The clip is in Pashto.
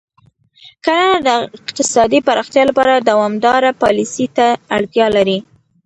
کرنه د اقتصادي پراختیا لپاره دوامداره پالیسۍ ته اړتیا لري.